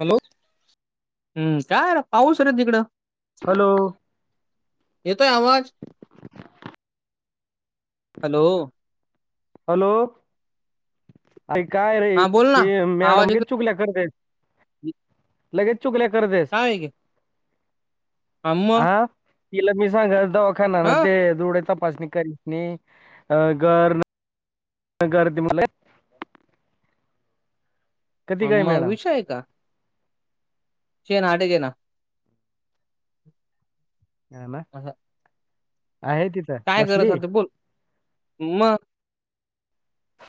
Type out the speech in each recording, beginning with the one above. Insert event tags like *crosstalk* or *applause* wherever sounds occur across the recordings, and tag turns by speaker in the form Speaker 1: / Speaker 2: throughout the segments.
Speaker 1: Hello.
Speaker 2: हम्म, काय रे पाऊस हे का तिकडं?
Speaker 1: हॅलो.
Speaker 2: येतोय आवाज? हॅलो.
Speaker 1: हॅलो. अरे, काय रे.
Speaker 2: हा बोल ना
Speaker 1: ते मॅडम
Speaker 2: आवाज
Speaker 1: लगे
Speaker 2: येतो
Speaker 1: चुकल्या करतायेत, लगेच चुगल्या करत आहेत.
Speaker 2: काय आहे की
Speaker 1: हा, तिला मी सांगायाचं दवाखानाला
Speaker 2: हा
Speaker 1: ते डोळे तपासणी कर *unintelligible* गर्दी मध्ये *unintelligible* कधी
Speaker 2: हा
Speaker 1: काय
Speaker 2: म
Speaker 1: मॅडम
Speaker 2: विषय आहे का. *unintelligible* घे ना
Speaker 1: हा ना.
Speaker 2: *unintelligible*
Speaker 1: आहेत
Speaker 2: काय गरज होते, बोल मग.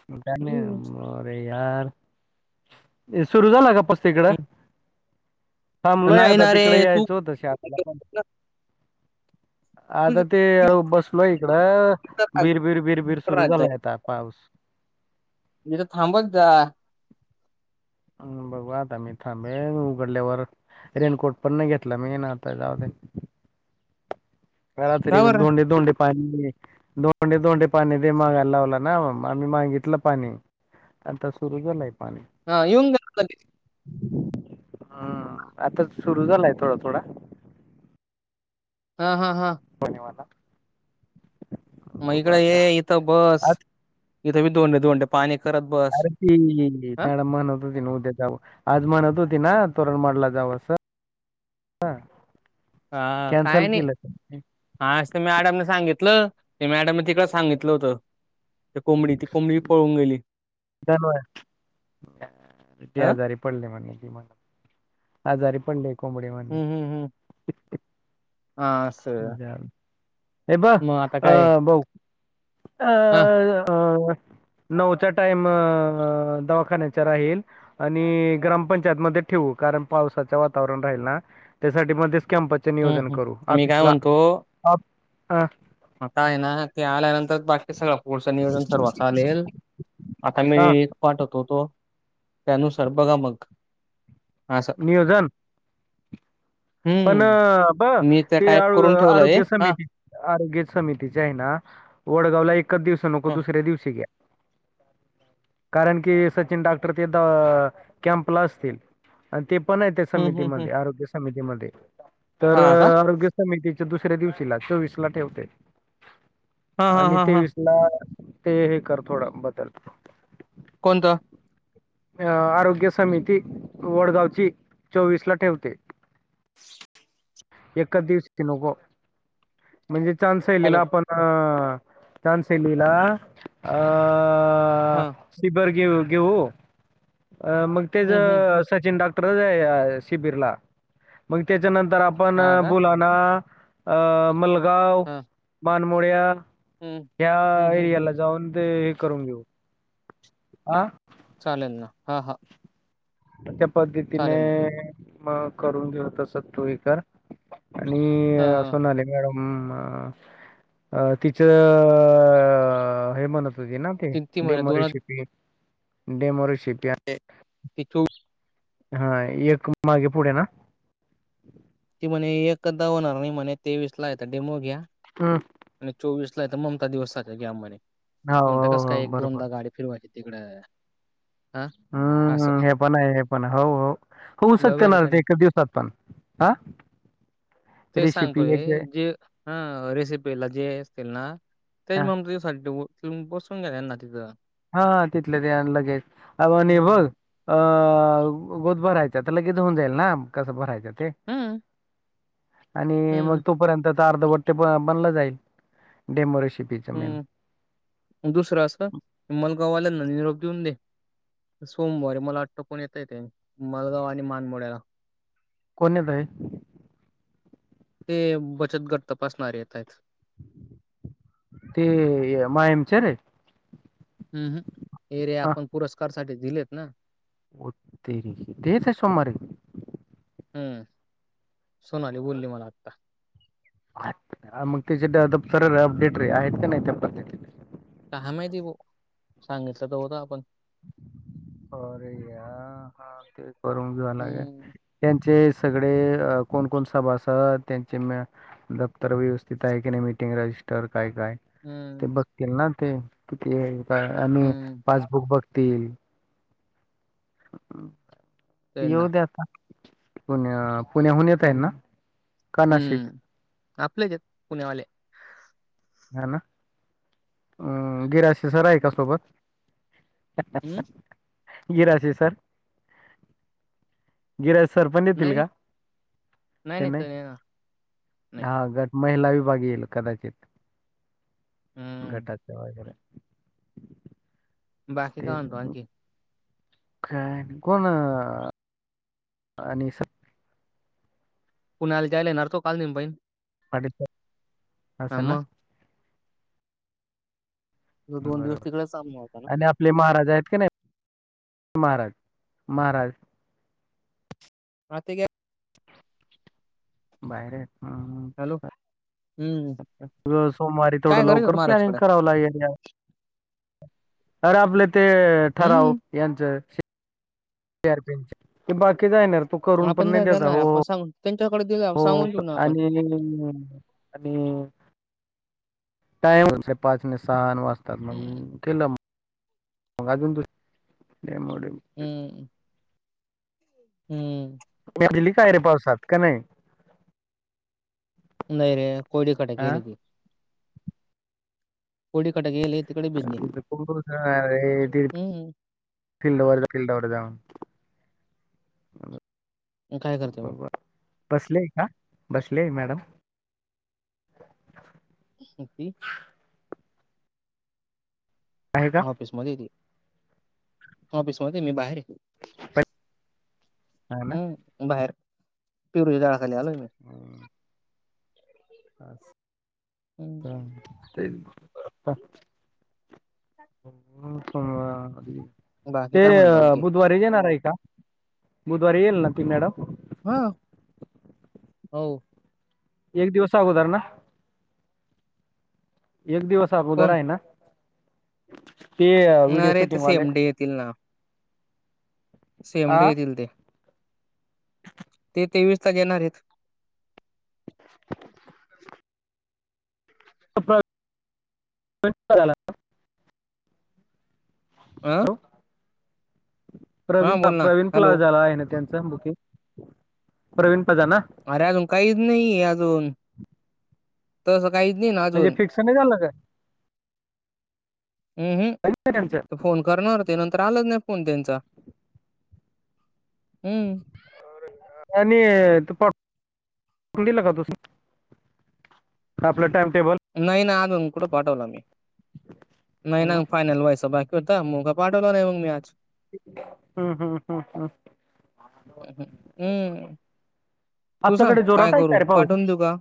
Speaker 1: का नाही
Speaker 2: हम्म.
Speaker 1: अरे यार सुरू झाला का *unintelligible* तिकडं
Speaker 2: हम्म.
Speaker 1: थांबलोय
Speaker 2: नाही
Speaker 1: आता,
Speaker 2: ना रे
Speaker 1: तिकडे
Speaker 2: तू
Speaker 1: यायचं होत *unintelligible* पण
Speaker 2: तुझ
Speaker 1: आता ते
Speaker 2: तिथं
Speaker 1: बसलोय इकडं बिर बिर बिर बिर सुरु झालाय आता पाऊस.
Speaker 2: *unintelligible* थांबत जा.
Speaker 1: अं बघू आता मी थांबेन. उघडल्यावर रेनकोट पण नही घेतला मी अन् आता जाऊदे. वेळा
Speaker 2: का
Speaker 1: तरी
Speaker 2: बर
Speaker 1: धोंडे धोंडे पाणी धोंड्या धोंड्या पाणी दे मागायला लावलं ना मग आम्ही मागितलं पाणी आता सुरू केलंय पाणी
Speaker 2: हा इवून *inaudible*
Speaker 1: हम् आता सुरू झालाय थोडा थोडा
Speaker 2: हा हा हा
Speaker 1: पाणी वाला
Speaker 2: मग
Speaker 1: बघू
Speaker 2: इकड
Speaker 1: आता
Speaker 2: ये इथं बस
Speaker 1: आज
Speaker 2: इथं बी धोंड्या धोंड्या पाणी करत बसं
Speaker 1: त त्याड म्हणत होती ना उद्या जावं आज म्हणत होती ना तोरणंमाडला जावं असं
Speaker 2: हा
Speaker 1: कॅन्सल
Speaker 2: काय नाही
Speaker 1: केलं
Speaker 2: हां आज त्या मॅडमनी सांगितलं त्या मॅडमनं तिकडं सांगितलं होतं ते कोंबडी ती कोंबडी पळून गेली
Speaker 1: धनवा ते
Speaker 2: अ
Speaker 1: आजारी पडले म्हणे हे म्हणं आजारी पडलीय कोंबडी म्हणे
Speaker 2: हं असं
Speaker 1: जा हे ब
Speaker 2: मग आता काय
Speaker 1: अं भाऊ अ
Speaker 2: हा
Speaker 1: अ नऊचा टाइम दवाखान्याचा राहील आणि ग्रामपंचायत मध्ये ठेवू कारण पावसाचं वातावरण राहील ना? त्यासाठी मग तेच कॅम्पचे
Speaker 2: हम्म
Speaker 1: नियोजन करू
Speaker 2: हम्म मी काय
Speaker 1: ऑफिसला अ
Speaker 2: म काय हे ना ते आल्यानंतर बाकी सगळं पुढचं नियोजन सर्व चालेल. आता मी
Speaker 1: हा
Speaker 2: एक पाठवत होतो त्यानुसार बघा मग असं
Speaker 1: नियोजन पण
Speaker 2: हम्म
Speaker 1: ब
Speaker 2: मी त्या
Speaker 1: ते
Speaker 2: टाईप करून ठेवलंय
Speaker 1: आरोग्य
Speaker 2: हा
Speaker 1: समिती आरोग्य समितीचे आहे ना वडगावला एकच दिवस नको
Speaker 2: ह
Speaker 1: दुसऱ्या दिवशी घ्या कारण की सचिन डाक्टर ते कॅम्प ला असतील आणि ती पण आहे त्या
Speaker 2: हम्म हम्म हम्म
Speaker 1: समितीमध्ये आरोग्य समितीमध्ये तर
Speaker 2: हा का
Speaker 1: आरोग्य समितीच्या दुसऱ्या दिवशीला सव्हीस ला ठेवते.
Speaker 2: हा हा
Speaker 1: आणि
Speaker 2: हा हा
Speaker 1: तेवीस ला ते हे कर थोडं बदल
Speaker 2: कोणतं
Speaker 1: अ आरोग्य समिती वडगावची चोवीस ला ठेवते. एकाच दिवशी की नको म्हणजे चांसीनीला
Speaker 2: हॅलो
Speaker 1: आपण हं चांसीनीला अं...
Speaker 2: हा
Speaker 1: शिबर घेवू घेवू अ मग तेच
Speaker 2: हम्म हम्म
Speaker 1: सचिन डॉक्टरचं आहे शिबिरला मग त्याच्यानंतर आप
Speaker 2: हा
Speaker 1: आपण
Speaker 2: का
Speaker 1: बुलाणा अ मलंगाव
Speaker 2: हा
Speaker 1: बानमोड्या
Speaker 2: हम्म
Speaker 1: या
Speaker 2: हम्म हम्म हम्म
Speaker 1: एरियाला जाऊन ते हे करून घेऊ अं
Speaker 2: चालेल ना हा हा
Speaker 1: त्या पद्धतीने
Speaker 2: ना.
Speaker 1: मग करून घेऊ तस तु हे कर आणि
Speaker 2: हां, हां.
Speaker 1: अस्वलं आलेतं मॅडम तिचं हे म्हणत होती ना ते
Speaker 2: ती ती म्हणे
Speaker 1: डेमो रेशिपी डेमो रीशिपि
Speaker 2: तिथू
Speaker 1: हा एक मागे पुढे ना
Speaker 2: ती म्हणे एकचदा होणार नाही म्हणे, तेवीसला याचा डेमो घ्या.
Speaker 1: हां
Speaker 2: आणि चोवीस नाहीतर ममता दिवस सांगा की, आमानी
Speaker 1: हो,
Speaker 2: म्हणता
Speaker 1: हो,
Speaker 2: कसं
Speaker 1: हो,
Speaker 2: काय एक-
Speaker 1: बरोबर.
Speaker 2: दोनदा गाडी फिरवायची तिकडं. हां, असं.
Speaker 1: हु.. हे पण आहे, हे पण आहे, हो- हो होऊ शकते
Speaker 2: बरोबर आहे
Speaker 1: ना
Speaker 2: का
Speaker 1: ते
Speaker 2: नाही?
Speaker 1: एकाच दिवसात पण. आ...
Speaker 2: ते सांगतोय जे ह रेसि पीला जे हे असतील ना, तेच
Speaker 1: हां,
Speaker 2: मग त बसून गेले ना तिथं.
Speaker 1: हा तिथलं ते आण लगेच अ आणि
Speaker 2: हं,
Speaker 1: बघ, अं गोद भरायचा तर लगेच होऊन जाईल ना कसं भरायचं ते,
Speaker 2: हं,
Speaker 1: आणि मग
Speaker 2: हं,
Speaker 1: तोपर्यंत तर अर्धवट्टे बनला जाईल डेमो रेशिपीत.
Speaker 2: ह.. दुसरं असं हिमलगाववाल्यांना निरोप देऊन दे. सोमवारी मला वाटतं कोण येतंय काय मलगाव आणि मानमोड्याला.
Speaker 1: कोण येत आहे?
Speaker 2: ते बचतगट तपासणारे येत आहेत.
Speaker 1: ते मायमच रे
Speaker 2: अहुं हे रे आपण पुरस्कार साठी दिलेत ना.
Speaker 1: हो तेरी, ते येतय सोमारी.
Speaker 2: हूं.. सोनाली बोलली मला आत्ता.
Speaker 1: मग तेच्या दप्तरं अपडेट रे आहेत का नाही त्या पद्धतीने?
Speaker 2: काहा माहिती बो, सांगितलं तर होत आपण.
Speaker 1: हो, रे यार हा ते करून घीवा लागे.
Speaker 2: हम्म
Speaker 1: त्यांचे सगळे अ कोण -कोण सभासह त्यांचे मॅ दप्तर व्यवस्थित आहे की नाही, मिटिंग रजिस्टर काय- काय.? ते
Speaker 2: हम्म
Speaker 1: बघतील ना ते, किती आणि
Speaker 2: हम्म
Speaker 1: पासबुक बघतील.
Speaker 2: त्यांना
Speaker 1: येऊ दे आता पुण्या पुण्याहून येत आहेत ना
Speaker 2: हम्म.
Speaker 1: का नाशिक?
Speaker 2: हम्म आपलेच हेत पुण्यावाले.
Speaker 1: खरं ना... गिरास... ते सर आहे का
Speaker 2: हम्म.
Speaker 1: सोबत? गिराशी सर.. गिराशी सर पण येतील
Speaker 2: नाही
Speaker 1: का?... ते नाही.
Speaker 2: नाही
Speaker 1: हा गट महिला विभाग येईल कदाचित,
Speaker 2: हम्म
Speaker 1: गटाच वगैरे.
Speaker 2: बाकी
Speaker 1: ते
Speaker 2: काय म्हणतो आणखी?
Speaker 1: काय नाही. कोण आणि स
Speaker 2: पुण्याला जायला येणार तो काल तुम्ही बहीण
Speaker 1: अडीच अस ना
Speaker 2: मग तो
Speaker 1: ह
Speaker 2: दोन दिवस
Speaker 1: बरोबर
Speaker 2: तिकडेच थांबणार होता ना.
Speaker 1: आणि आपले महाराज आहेत का नाहीत, महाराज, महाराज.
Speaker 2: आतिगे
Speaker 1: तू बाहेर ये.
Speaker 2: हॅलो. हम्म
Speaker 1: अर सोमवारी
Speaker 2: काय
Speaker 1: तेवढं
Speaker 2: करायचं
Speaker 1: लवकर प्लॅनिंग
Speaker 2: महाराजकडे
Speaker 1: करावं लागेल यार. अरे आपले ते
Speaker 2: हम्म
Speaker 1: ठराव, यांचं शे आरपिनचे ते बाकीच येणार तो करून
Speaker 2: आपण
Speaker 1: पण नाही
Speaker 2: काय
Speaker 1: देणार
Speaker 2: करणार
Speaker 1: हो....
Speaker 2: आपण सांगून त्यांच्याकड देऊया.
Speaker 1: हो आणि आणि टाइम तुमचे पाच न सहा न वाजतात मग
Speaker 2: हम्म
Speaker 1: केलं. वाजून गेले डेमो डेमो
Speaker 2: हम्म हम्म
Speaker 1: काय रे पावसात का नाही
Speaker 2: नाही रे कोडीकड
Speaker 1: हा
Speaker 2: गेल ये ती कोडीकड गेल ये. हम्म
Speaker 1: *unintelligible* फिल्डवर जा फिल्डवर जा
Speaker 2: काय करते मग
Speaker 1: बर बसलेय का बसलेय मॅडम
Speaker 2: अस ती
Speaker 1: आहे का
Speaker 2: ऑफिस मध्ये ये ती ऑफिस मध्ये मी बाहेर ये.
Speaker 1: हा ना
Speaker 2: हम्म बाहेर पिरूच्या झाडाखाली आलोय मी हम्म
Speaker 1: हा का *unintelligible*
Speaker 2: बाकी
Speaker 1: ते
Speaker 2: काय म्हणतो आणखी
Speaker 1: बुधवारी येणार आहे का बुधवारी येईल ना ती मॅडम
Speaker 2: हा हो
Speaker 1: एक दिवस आगोदर ना एक दिवस अगोदर
Speaker 2: कोण
Speaker 1: आहे ना ते व्हडिओ
Speaker 2: अरे ते
Speaker 1: शुटिंग वाले
Speaker 2: सेम डे येतील ना सेम डे
Speaker 1: हा
Speaker 2: येतील ते ते तेवीस चा घेणार येत.
Speaker 1: *inaudible* प्र- *unintelligible*
Speaker 2: आं
Speaker 1: हो? प्रवीण
Speaker 2: बोल ना
Speaker 1: प्रवीण
Speaker 2: हॅलो
Speaker 1: प्लाझाला आहे ना त्यानी च बुकिंग प्रवीण प्लाझा ना
Speaker 2: अरे अजून काहीच नाहीये अजून तसं काहीच नाहीये ना अजून
Speaker 1: कमी झालं का? काही नाही त्यांचं
Speaker 2: फोन करणार होते नंतर आलाच नाही फोन त्यांचा हम्म
Speaker 1: आणि तू आपलं टाइम टेबल
Speaker 2: नाही ना अजून कुठं पाठवला मी नाही ना फायनल व्हायच बाकीये. पाठवला नाही मग मी आज
Speaker 1: हम्म हम्म हम्म हम्म
Speaker 2: हम्म तू सांग
Speaker 1: आपल्याकडे जोरात आहे
Speaker 2: करू
Speaker 1: काय रे पाऊस
Speaker 2: पाठवून देऊ का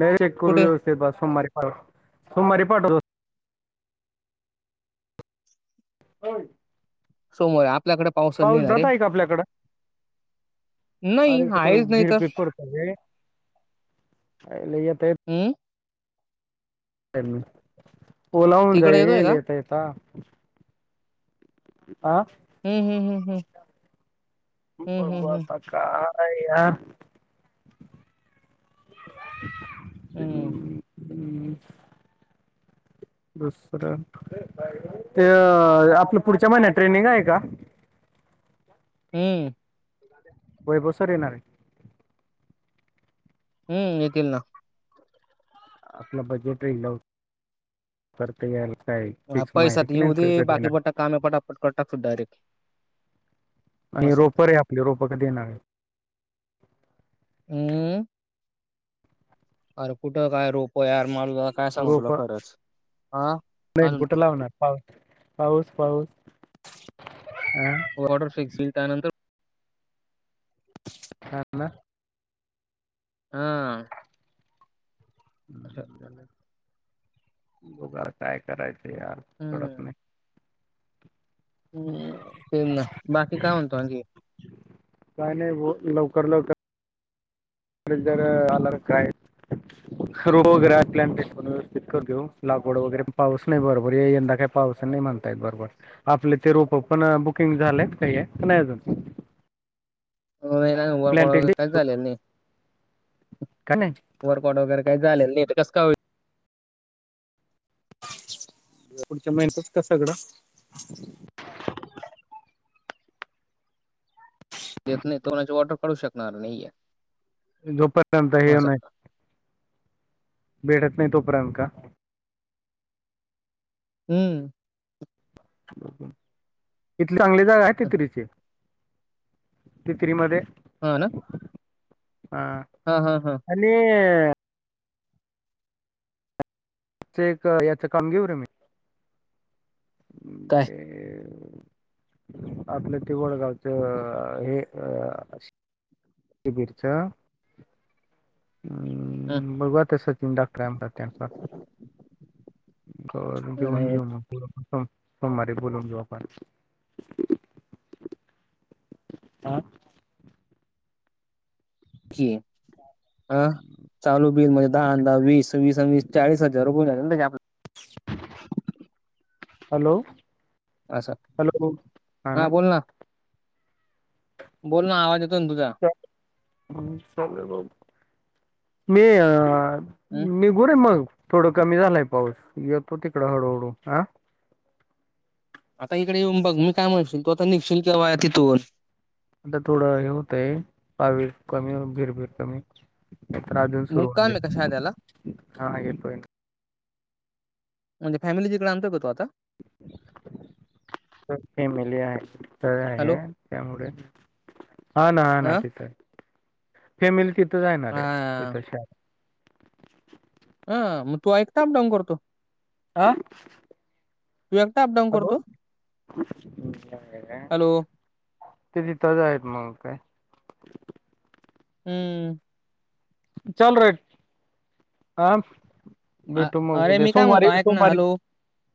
Speaker 1: नाही
Speaker 2: कुठे
Speaker 1: करू सोमवारी पाठव सोमवारी पाठवतो. हो.
Speaker 2: सोमवारी आपल्याकड
Speaker 1: पाऊस जात आहे का आपल्याकडं
Speaker 2: नाही आहेच नाही तर
Speaker 1: *unintelligible*
Speaker 2: हम्म
Speaker 1: ओला होवून
Speaker 2: तिकडे येतोय
Speaker 1: जाईल.
Speaker 2: का
Speaker 1: येता येता. आ.
Speaker 2: हम्म हम हम्म हम.
Speaker 1: बघू आता. काय यार?
Speaker 2: हम्म
Speaker 1: दुसरं. ते आपलं पुढच्या महिन्यात ट्रेनिंग आहे का?
Speaker 2: हम्म.
Speaker 1: *unintelligible* वैभव सर येणार.
Speaker 2: हम्म. येतील ना.
Speaker 1: आपलं बजेट करता याल काय?
Speaker 2: हा,
Speaker 1: फिक्स
Speaker 2: पैसा
Speaker 1: माहिती
Speaker 2: तर
Speaker 1: की नाही
Speaker 2: येऊ दे
Speaker 1: कधी
Speaker 2: बाकी
Speaker 1: येणार?
Speaker 2: बटा कामे पटापट टाकू डायरेट.
Speaker 1: आणि रोपं रे आपले रोप कधी येणार?
Speaker 2: हम. अरे कुठं काय रोप यार माल काय सांगू तुला
Speaker 1: रोप
Speaker 2: खरंच हा. अजून
Speaker 1: नाही कुठे लावणार? पाऊस पाऊस
Speaker 2: ऑर्डर फिक्स होईल त्यानंतर
Speaker 1: हा ना.
Speaker 2: ह.
Speaker 1: हम्. बघुया काय करायचं यार? कलत
Speaker 2: हम्म
Speaker 1: नाही.
Speaker 2: हम्म ते ना. बाकी काय म्हणतो आणखी?
Speaker 1: काय नाही होत लवकर लवकर. जर आलं काय? रो वगैरे आपल्या पण व्यवस्थित कर देऊ लागवड वगैरे पाऊस नाही बरोबर आहे यंदा काय? पावस नाही म्हणतायत बरोबर. आपले ते रोप पण बुकिंग झालेयत काही नाही अजून.
Speaker 2: होर को
Speaker 1: प्लॅनटेशन
Speaker 2: काय झालेल नाही.
Speaker 1: कनी?
Speaker 2: वरपड वगैर काही झालं नाही तर कस का
Speaker 1: पुढच्या मेहनतच का सगळं?
Speaker 2: देत नाही तो माची ऑर्डर काढू शकणार नाहीये.
Speaker 1: जोपर्यंत हे
Speaker 2: असं
Speaker 1: नाही. भेटत नाही तोपर्यंत का?
Speaker 2: हम्म.
Speaker 1: इथली चांगली जागा आहे तेथरीची. तित्रीमध्ये
Speaker 2: हा ना.
Speaker 1: हां.
Speaker 2: ह ह ह.
Speaker 1: आणि चे एक याच काम घेऊ रे मी. घे.
Speaker 2: *inaudible*
Speaker 1: आपलं ते वडगावच हे अ ती बीटच.
Speaker 2: हम्म,
Speaker 1: बघु आता सचिन डॉक्टर काय म्हणतात त्यांचा घ
Speaker 2: नाही
Speaker 1: घेऊन
Speaker 2: नाही,
Speaker 1: घेऊ ना पु ह सोमवारीे बोलून घेऊ आपण आ
Speaker 2: अ चालू बिल मय दहा आणि दहा वीस वीस आणि चाळीस हजार गोळ्या आणि आपण
Speaker 1: हॅलो
Speaker 2: असा
Speaker 1: हॅलो
Speaker 2: हा बोल ना बोल ना आवाज येतो ना तुझा
Speaker 1: मी अ
Speaker 2: हम्म?
Speaker 1: मी येरे मग थोडं कमी झालाय पाऊस येतो तिकड हळूहळू हा
Speaker 2: आता इकडे येऊन बघ मी काय म्हणशील तो आता निघशील केव्हा तिथून
Speaker 1: आता थोडं हे होतय पावी कमी भीरभीर कमी रात्र दिवस सुरू हो
Speaker 2: मुक्काम
Speaker 1: दे
Speaker 2: आहे का शाद्याला
Speaker 1: हाे काढेपर्यंत *unintelligible*
Speaker 2: म्हणजे फॅमिलीच इकडे आणतो काय तू आता
Speaker 1: खूप फॅमिली आहे तळ
Speaker 2: हॅलो
Speaker 1: आहे तेवढंच ना हां
Speaker 2: अ
Speaker 1: ना तिथं फॅमिली तिथंच आहे ना रे
Speaker 2: हां.
Speaker 1: तिथंच हाय
Speaker 2: हा मग तू एकटाच काम करतो
Speaker 1: आह
Speaker 2: तू एकटाच जातो
Speaker 1: हॅलो *unintelligible*
Speaker 2: हॅलो
Speaker 1: ते तिथंच आहेत मग काय
Speaker 2: हम्मं
Speaker 1: विचालरे आ
Speaker 2: अरे मी काय म्हणतोय ऐक ना हॅलो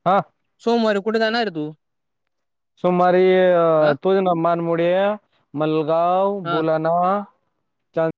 Speaker 1: हा
Speaker 2: सोमवारी कुठे जाणार रे तू
Speaker 1: सोमवारी
Speaker 2: हां?
Speaker 1: तोये ना मानमुडि मलगांव
Speaker 2: हां.
Speaker 1: बुला नवा चा